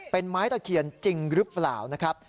เป็นไม้ตะเคียนจริงหรือเปล่านะครับ